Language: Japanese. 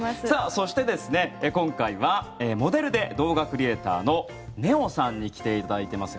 そして、今回はモデルで動画クリエーターのねおさんに来ていただいています。